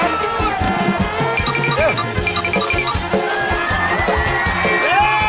เร็ว